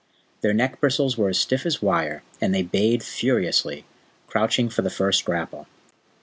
Their neck bristles were as stiff as wire, and they bayed furiously, crouching for the first grapple.